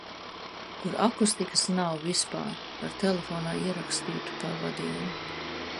Kur akustikas nav vispār ar telefonā ierakstītu pavadījumu.